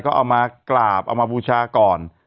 ก็เอามากราบเอามาบูชาก่อน